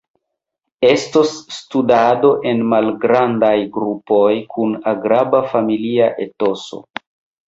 Estos studado en malgrandaj grupoj kun agrabla familia etoso.